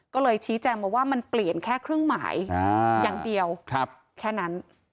ก็เลยชี้แจงมาว่ามันเปลี่ยนแค่เครื่องหมายอย่างเดียวแค่นั้น